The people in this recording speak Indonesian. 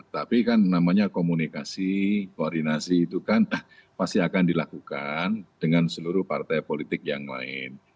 tapi kan namanya komunikasi koordinasi itu kan pasti akan dilakukan dengan seluruh partai politik yang lain